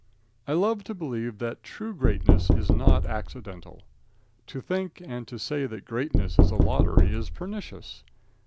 I love to believe that true greatness is not accidental. To think and to say that greatness is a lottery is pernicious.